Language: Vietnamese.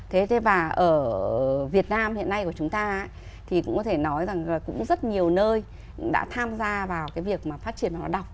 thế và ở việt nam hiện nay của chúng ta thì cũng có thể nói rằng là cũng rất nhiều nơi đã tham gia vào cái việc mà phát triển văn hóa đọc